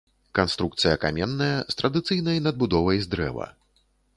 Канструкцыя каменная, з традыцыйнай надбудовай з дрэва.